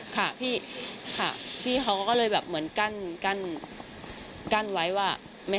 ค่ะพี่เค้าก็เลยแบบเหมือนกั้นไว้ว่า